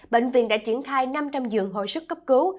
bệnh viện đã triển khai năm trăm linh dường hội sức cấp cứu